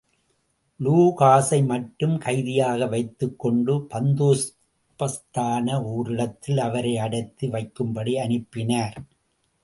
லூகாஸை மட்டும் கைதியாக வைத்துக் கொண்டு பந்தோபஸ்தான ஓரிடத்தில் அவரையடைத்து வைக்கும்படி அனுப்பினார்.